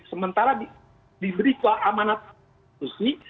sementara diberi keamanan